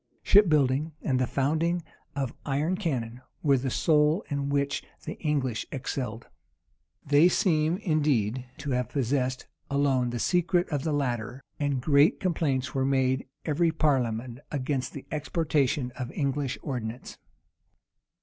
Ship building and the founding of iron cannon were the sole in which the English excelled. They seem, indeed, to have possessed alone the secret of the latter; and great complaints were made every parliament against the exportation of English ordnance.